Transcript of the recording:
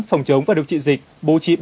phòng chống và điều trị dịch bố trí